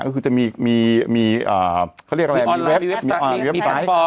ก็คือจะมีมีอ่าเขาเรียกอะไรมีเว็บสไตล์มีคันฟอร์ม